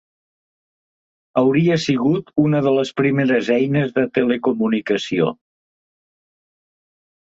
Hauria sigut una de les primeres eines de telecomunicació.